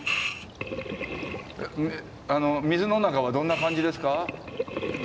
水の中はどんな感じですか？